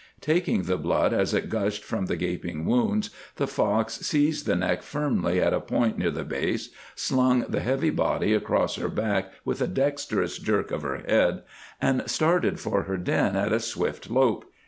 Taking the blood as it gushed from the gaping wounds, the fox seized the neck firmly at a point near the base, slung the heavy body across her back with a dexterous jerk of her head, and started for her den at a swift lope.